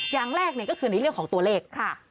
อย่างแรกก็คือในเรื่องของตัวเลขค่ะ